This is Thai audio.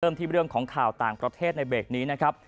ที่เรื่องของข่าวต่างประเทศในเบรกนี้นะครับ